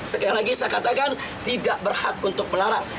sekali lagi saya katakan tidak berhak untuk melarang